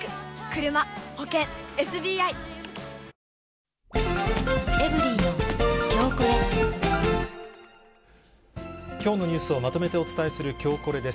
糖質ゼロきょうのニュースをまとめてお伝えするきょうコレです。